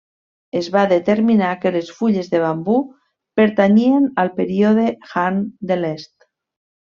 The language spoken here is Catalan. Es va determinar que les fulles de bambú pertanyien al període Han de l'Est.